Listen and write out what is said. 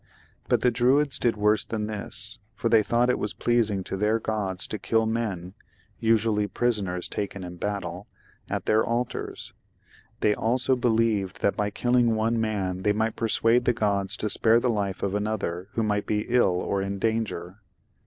But the Druids did worse than this, for they I.] ANCIENT GA UL. thought it was pleasing to their gods to kill men — ^usually prisoners taken in battle — ^at their altars. They also be lieved that by killing one man they might persuade the gods to spare the life of another who might be ill or in danger.